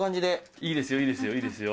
いいですよいいですよ。